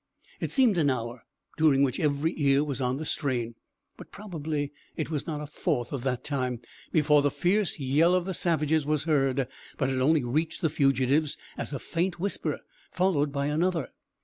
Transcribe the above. It seemed an hour, during which every ear was on the strain, but probably it was not a fourth of that time, before the fierce yell of the savages was heard; but it only reached the fugitives as a faint whisper, followed by another.